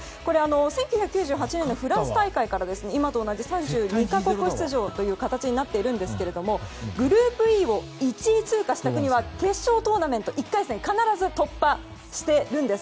１９９８年のフランス大会から今と同じ３２国出場になっているんですがグループＥを１位通過した国は決勝トーナメント１回戦必ず突破しているんです。